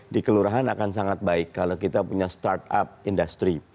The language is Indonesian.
di kelurahan akan sangat baik kalau kita punya startup industri